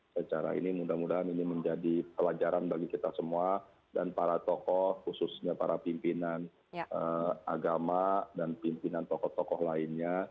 secara ini mudah mudahan ini menjadi pelajaran bagi kita semua dan para tokoh khususnya para pimpinan agama dan pimpinan tokoh tokoh lainnya